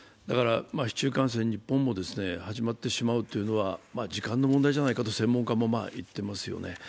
市中感染、日本も始まってしまうというのは時間の問題じゃないかと専門家も言ってますよね。